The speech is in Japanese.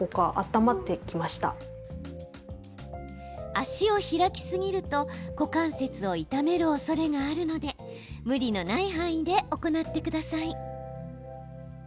足を開きすぎると股関節を痛めるおそれがあるので無理のない範囲で行ってください。